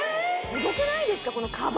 すごくないですか？